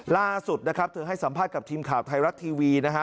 ล่าสุดนะครับเธอให้สัมภาษณ์กับทีมข่าวไทยรัฐทีวีนะฮะ